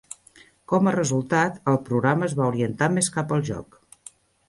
Com a resultat, el programa es va orientar més cap al joc.